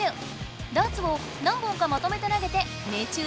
ダーツを何本かまとめて投げて命中率アップだ！